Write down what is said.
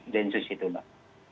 dengan soal kasus itu mbak